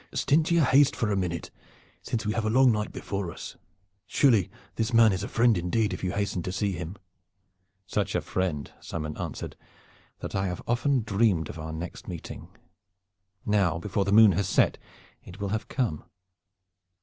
"Stint your haste for a minute, since we have a long night before us. Surely this man is a friend indeed, if you hasten so to see him." "Such a friend," Simon answered, "that I have often dreamed of our next meeting. Now before that moon has set it will have come."